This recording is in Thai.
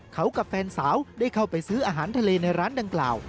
เขากับแฟนสาวได้เข้าไปซื้ออาหารทะเลในร้านดังกล่าว